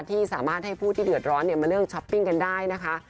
ที่สามารถให้ผู้ที่เดือดร้อนมาเลือกช้อปปิ้งกันได้นะคะ